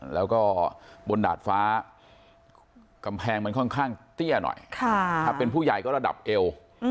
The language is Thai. แล้วก็บนดาดฟ้ากำแพงมันค่อนข้างเตี้ยหน่อยถ้าเป็นผู้ใหญ่ก็ระดับเอว